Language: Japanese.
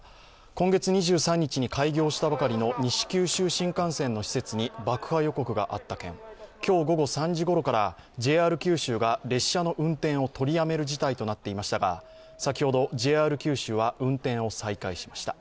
今月２３日に開業したばかりの西九州新幹線の施設に爆破予告があった件今日午後３時頃からＪＲ九州が列車の運転を取りやめる事態となっていましたが先ほどＪＲ九州は運転を再開しました。